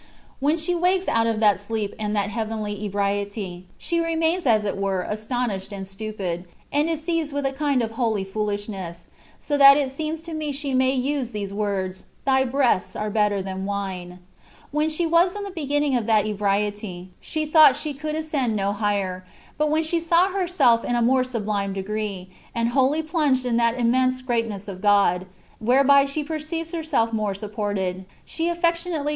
When she wakes out of that sleep and that heavenly ebriety, she remains as it were asto nished and stupid, and is seized with a kind of holy foolishness, so that it seems to me she may use these words, " Thy breasts are better than wine.^^ When she was in the beginning of that ebriety, she thought she could ascend no higher; but when she saw herself in a more subUme degree, and wholly plunged in that im mense greatness of God, whereby she perceives herself more supported, she aflfectionately com * ''Con una manera de borrachez diyina," &c. CONCEPTIONS OF DIVINE LOVE.